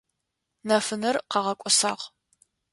Нэфынэр къагъэкIосагъ.